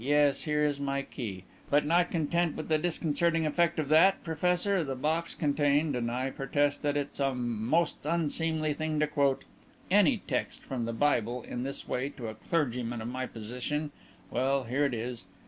Yes, here is my key. But not content with the disconcerting effect of that, professor, the box contained and I protest that it's a most unseemly thing to quote any text from the Bible in this way to a clergyman of my position well, here it is.